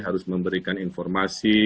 harus memberikan informasi